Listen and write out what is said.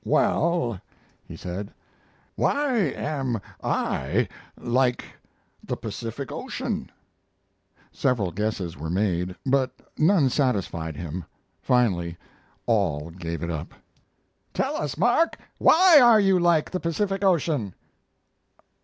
"Well," he sand, "why am I like the Pacific Ocean?" Several guesses were made, but none satisfied him. Finally all gave it up. "Tell us, Mark, why are you like the Pacific Ocean?"